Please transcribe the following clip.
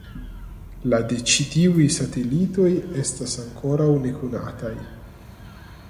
La de ĉi tiuj satelitoj estas ankoraŭ nekonataj.